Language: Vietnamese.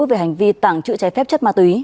về hành vi tảng trữ trái phép chất ma túy